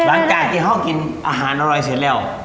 หลังจากที่ห้องกินอาหารอร่อยเสร็จแล้ว